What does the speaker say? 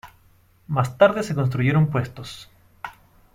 Más tarde se construyeron puestos.